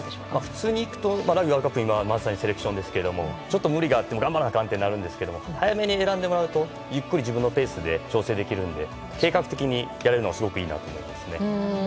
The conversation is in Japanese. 普通に行くとラグビーワールドカップまさに今セレクションですがちょっと無理があっても頑張らなあかんってなるんですけど早めに選んでもらえるとゆっくり自分のペースで調整できるので計画的にやれるのがすごくいいなと思いますね。